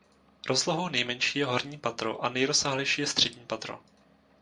Rozlohou nejmenší je horní patro a nejrozsáhlejší je střední patro.